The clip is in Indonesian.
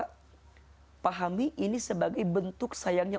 kita pahami ini sebagai bentuk sayangnya